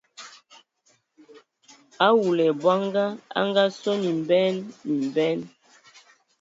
Awulu ai bɔngɔ anga sɔ mimbean mimbean.